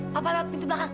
papa lewat pintu belakang